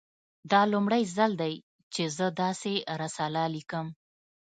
دا لومړی ځل دی چې زه داسې رساله لیکم